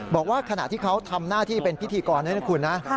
บอกว่าขณะที่เขาทำหน้าที่เป็นพิธีกรด้วยนะคุณนะ